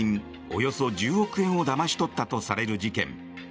およそ１０億円をだまし取ったとされる事件。